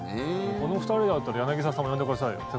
この２人だったら柳澤さんも呼んでくださいよ。